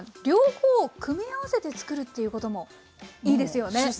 両方を組み合わせて作るということもいいですよね？